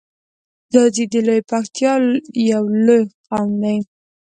ځاځی د لویی پکتیا یو لوی قوم دی.